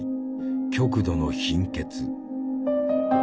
極度の貧血。